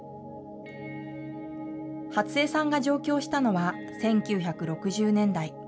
ハツヱさんが上京したのは１９６０年代。